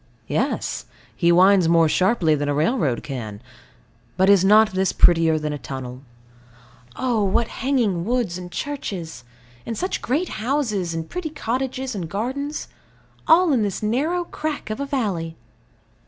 Yes; he winds more sharply than a railroad can. But is not this prettier than a tunnel? Oh, what hanging woods, and churches; and such great houses, and pretty cottages and gardens all in this narrow crack of a valley!